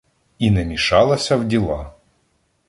І не мішалася в діла.